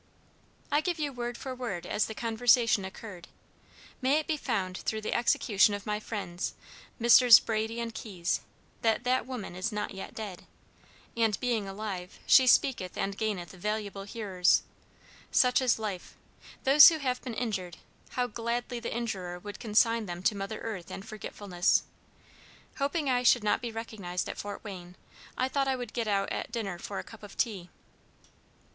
"I give you word for word as the conversation occurred. May it be found through the execution of my friends, Messrs. Brady and Keyes, that 'that woman is not yet dead,' and being alive, she speaketh and gaineth valuable hearers. Such is life! Those who have been injured, how gladly the injurer would consign them to mother earth and forgetfulness! Hoping I should not be recognized at Fort Wayne, I thought I would get out at dinner for a cup of tea.